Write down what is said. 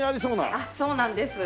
あっそうなんです。